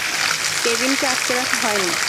কেভিনকে আটকে রাখা হয়নি।